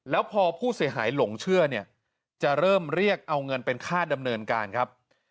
แล้วพอผู้เสียหายหลงเชื่อเนี่ยจะเริ่มเรียกเอาเงินเป็นค่าดำเนินการครับ